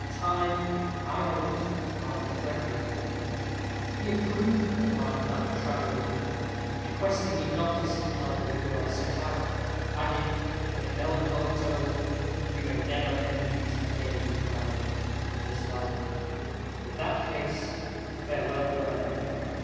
Time, I hoped, might befriend me. He approved of my plan of travelling, requesting me not to see Eleanor before I set out; adding, in a melancholy tone 'We may never meet again, Ranulph, in this life; in that case, farewell forever.